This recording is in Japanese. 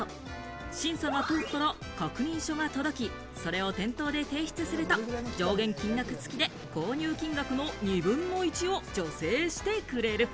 審査が通ったら確認書が届き、それを店頭で提出すると、上限金額つきで購入金額の２分の１を助成してくれる。